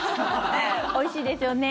おいしいですよね。